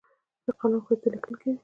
ښه قلم ښایسته لیکل کوي.